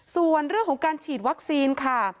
ส่วนเรื่องของการฉีดวัคซีนค่ะ